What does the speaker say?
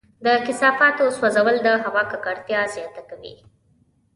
د کثافاتو سوځول د هوا ککړتیا زیاته کوي.